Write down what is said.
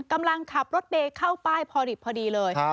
กำลังขับรถเมย์เข้าป้ายพอดิบพอดีเลย